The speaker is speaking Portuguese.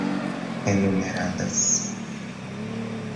enumeradas